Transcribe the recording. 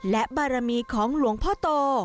และบารมีของหลวงพ่อโต